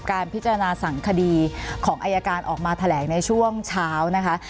การพิจารณาสั่งคดีของอายการออกมาแถลงในช่วงเช้านะคะ